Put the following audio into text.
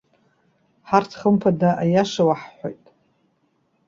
Ҳарҭ, хымԥада аиаша уаҳҳәоит.